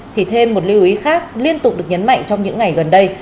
thì thêm một lưu ý khác liên tục được nhấn mạnh trong những ngày gần đây